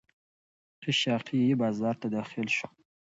قشقایي بازار ته داخل شو.